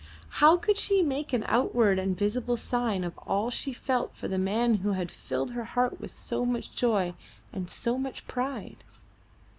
How could she make an outward and visible sign of all she felt for the man who had filled her heart with so much joy and so much pride?